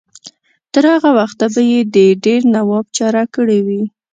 تر هغه وخته به یې د دیر نواب چاره کړې وي.